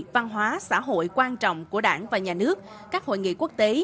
văn hóa xã hội quan trọng của đảng và nhà nước các hội nghị quốc tế